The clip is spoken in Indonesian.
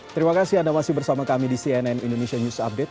terima kasih anda masih bersama kami di cnn indonesia news update